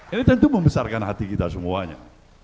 ini tentu membesarkan hati kita semuanya